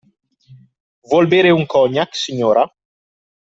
Vuol bere un cognac, signora?